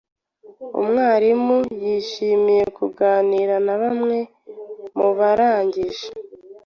Umwarimu yishimiye kuganira na bamwe mu barangije.